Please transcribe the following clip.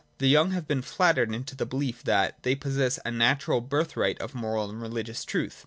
The young have been flattered into the beUef that they possess a natural birthright of moral and religious truth.